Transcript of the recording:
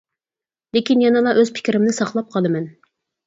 لېكىن يەنىلا ئۆز پىكرىمنى ساقلاپ قالىمەن.